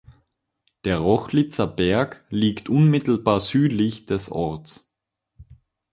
Der Rochlitzer Berg liegt unmittelbar südlich des Orts.